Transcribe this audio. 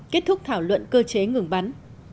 kết thúc thảo luận cơ chế ngừng bắn